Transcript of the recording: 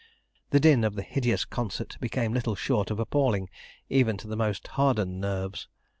The din of the hideous concert became little short of appalling, even to the most hardened nerves.